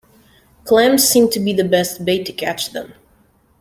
Clams seem to be the best bait to catch them.